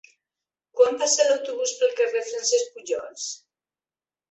Quan passa l'autobús pel carrer Francesc Pujols?